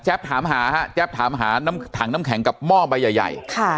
แจ๊บถามหาถังน้ำแข็งกับหม้อใบใหญ่